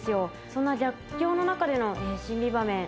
そんな逆境の中での新美バメン